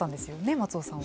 松尾さんは。